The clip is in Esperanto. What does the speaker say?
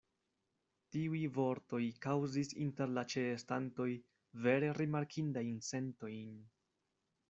Tiuj vortoj kaŭzis inter la ĉeestantoj vere rimarkindajn sentojn.